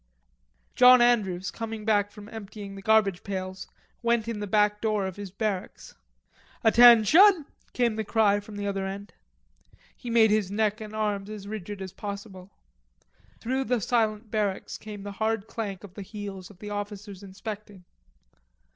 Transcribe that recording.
John Andrews, coming back from emptying the garbage pails, went in the back door of his barracks. "Attention!" came the cry from the other end. He made his neck and arms as rigid as possible. Through the silent barracks came the hard clank of the heels of the officers inspecting.